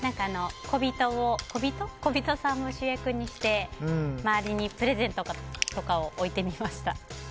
小人さんを主役にして周りにプレゼントとかを置いてみました。